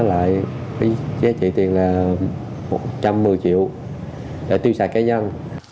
tôi bán lại giá trị tiền là một trăm một mươi triệu để tiêu sạc cá nhân